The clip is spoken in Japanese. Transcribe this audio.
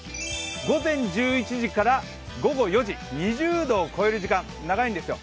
午前１１時から午後４時、２０度を超える時間、長いんですよ。